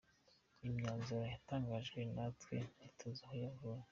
Imyanzuro yatangajwe natwe ntituzi aho yavuye.